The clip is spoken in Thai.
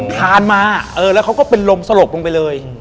คานมาแล้วเขาก็เป็นลมสลบลงไปเลย